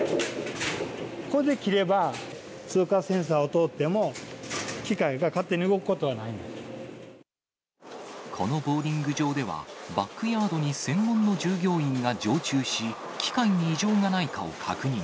これで切れば、通過センサーを通っても、このボウリング場では、バックヤードに専門の従業員が常駐し、機械に異常がないかを確認。